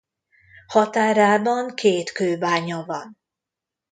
Határában két kőbánya van.